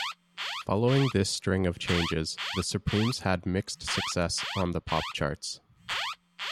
Following this string of changes, the Supremes had mixed success on the pop charts.